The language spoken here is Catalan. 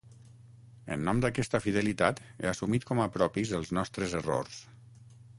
En nom d’aquesta fidelitat he assumit com a propis els nostres errors.